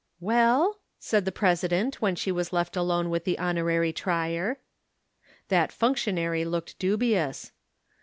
"Well?" said the President when she was left alone with the Honorary Trier. That functionary looked dubious.